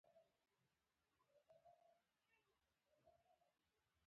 په نویو پیړیو کې ایران د اروپایانو د پام وړ وګرځید.